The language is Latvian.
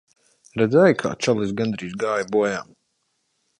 Redzēji, kā čalis gandrīz gāja bojā.